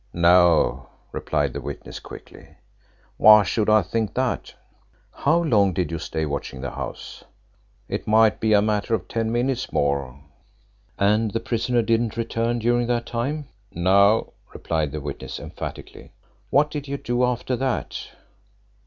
"No," replied the witness quickly. "Why should I think that?" "How long did you stay watching the house?" "It might be a matter of ten minutes more." "And the prisoner didn't return during that time?" "No," replied the witness emphatically. "What did you do after that?"